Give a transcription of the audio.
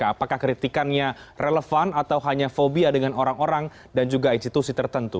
apakah kritikannya relevan atau hanya fobia dengan orang orang dan juga institusi tertentu